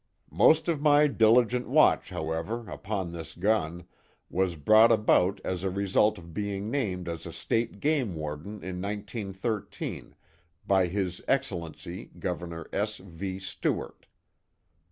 Most of my diligent watch, however, upon this gun, was brought about as a result of being named as state game warden in 1913, by His Excellency, Governor S. V. Stewart."